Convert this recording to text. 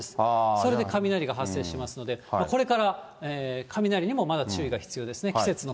それで雷が発生しますので、これから雷にもまだ注意が必要ですね。